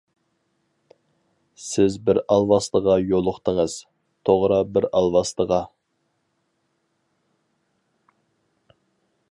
سىز بىر ئالۋاستىغا يولۇقتىڭىز، توغرا بىر ئالۋاستىغا.